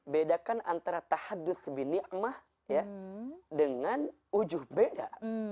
bedakan antara tahadud binikmah dengan ujum beda